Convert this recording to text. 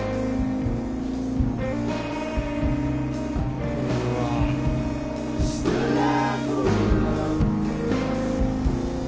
うわ。